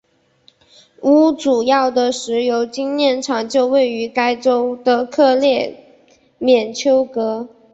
乌主要的石油精炼厂就位于该州的克列缅丘格。